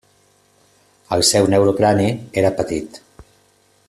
El seu neurocrani era petit.